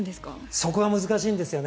そこが難しいんですよね。